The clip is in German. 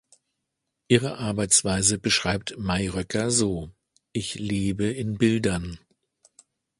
Ihre Arbeitsweise beschreibt Mayröcker so: „Ich lebe in Bildern.